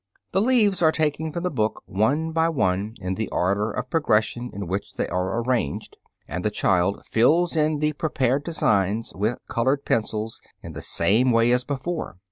The leaves are taken from the book one by one in the order of progression in which they are arranged, and the child fills in the prepared designs with colored pencils in the same way as before.